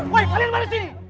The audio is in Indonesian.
woy kalian malah sini